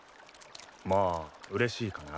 まあうれしいかな。